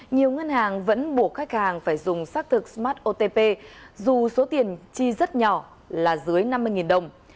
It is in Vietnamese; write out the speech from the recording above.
nhiều ngân hàng vẫn buộc khách hàng phải dùng xác thực smart otp dù số tiền chi rất nhỏ là dưới năm mươi đồng